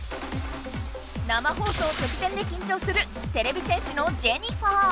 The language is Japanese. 生放送直前できんちょうするてれび戦士のジェニファー。